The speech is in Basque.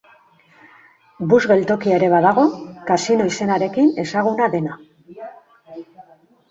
Bus geltokia ere badago, kasino izenarekin ezaguna dena.